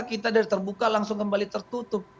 kita dari terbuka langsung kembali tertutup